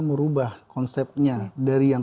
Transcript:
merubah konsepnya dari yang